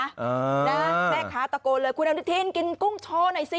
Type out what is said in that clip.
แม่ค้าตะโกนเลยคุณอนุทินกินกุ้งโชว์หน่อยสิ